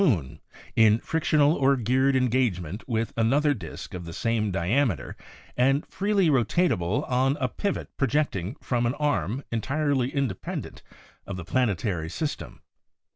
moon, in frictional or geared engagement with another disk of the same diameter and freely rotatable on a pivot projecting from an arm entirely independent of the plane tary system.